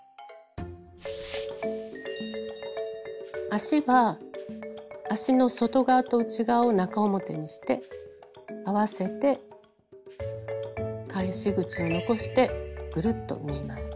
足は足の外側と内側を中表にして合わせて返し口を残してぐるっと縫います。